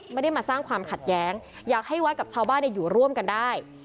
ไม่ได้มาสร้างความขัดแย้งอยากให้วัดกับชาวบ้านอยู่ร่วมกันได้